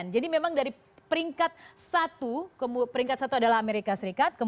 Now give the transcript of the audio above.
jadi memang dari peringkat satu adalah amerika serikat